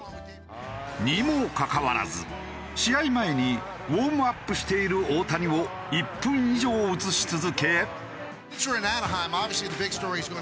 にもかかわらず試合前にウォームアップしている大谷を１分以上映し続け。